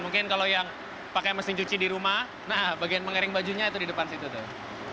mungkin kalau yang pakai mesin cuci di rumah nah bagian mengering bajunya itu di depan situ